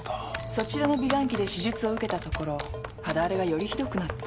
そちらの美顔器で施術を受けたところ肌荒れがよりひどくなった。